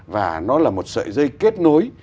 và nó là một sợi dây kết nối